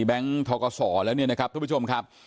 แก๊งทกศแล้วเนี่ยนะครับทุกผู้ชมครับ